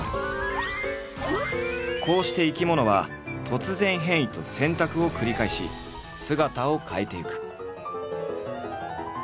こうして生き物は突然変異と選択を繰り返し姿を変えていく。